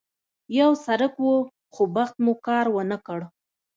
یو سړک و، خو بخت مو کار ونه کړ.